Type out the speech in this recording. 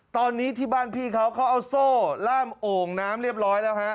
ตอนนี้ที่บ้านพี่เขาเขาเอาโซ่ล่ามโอ่งน้ำเรียบร้อยแล้วฮะ